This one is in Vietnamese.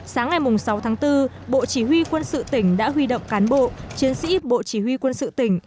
sáng ngày sáu tháng bốn bộ chỉ huy quân sự tỉnh đã huy động cán bộ chiến sĩ bộ chỉ huy quân sự tỉnh